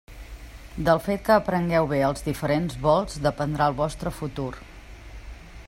Del fet que aprengueu bé els diferents vols dependrà el vostre futur.